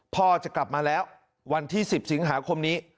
พ่อจะกลับมาแล้ววันที่๑๐สิงหาคมนี้